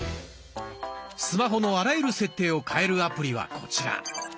スマホのあらゆる設定を変えるアプリはこちら。